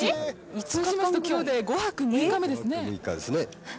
そうしますと５泊６日ですね